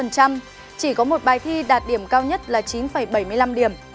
chỉ có một bài thi đạt điểm cao nhất là chín bảy mươi năm điểm